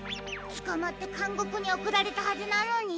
つかまってかんごくにおくられたはずなのに。